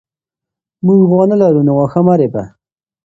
موږ غوا نه لرو نو واښه مه رېبه.